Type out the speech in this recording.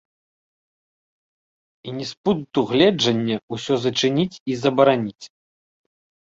І не з пункту гледжання ўсё зачыніць і забараніць.